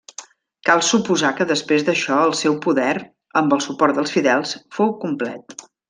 Cal suposar que després d'això el seu poder, amb el suport dels fidels, fou complet.